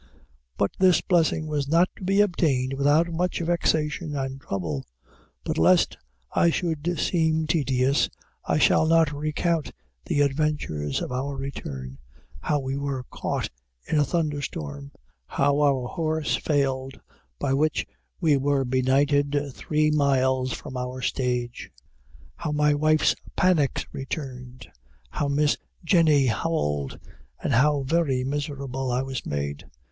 But this blessing was not to be obtained without much vexation and trouble. But lest I should seem tedious I shall not recount the adventures of our return how we were caught in a thunderstorm how our horse failed, by which we were benighted three miles from our stage how my wife's panics returned how Miss Jenny howled, and how very miserable I was made.